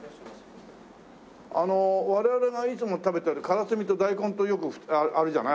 あの我々がいつも食べてるからすみと大根とよくあるじゃない？